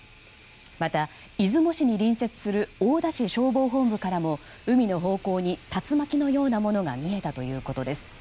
また、出雲市に隣接する大田市消防本部からも海の方向に竜巻のようなものが見えたということです。